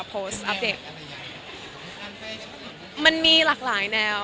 มีประหลาดประเภททุกอย่างมีลักหลายแนวค่ะ